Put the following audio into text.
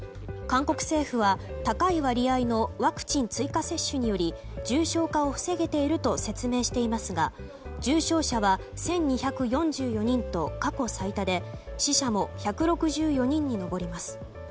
韓国政府は高い割合のワクチン追加接種により重症化を防げていると説明していますが重症者は１２４４人と過去最多で死者も１６４人に上ります。